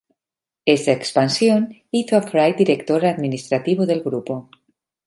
Esta expansión hizo a Fry director administrativo del grupo.